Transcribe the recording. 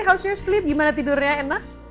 cantik sekali bagaimana tidurnya enak